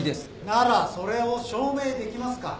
ならそれを証明できますか？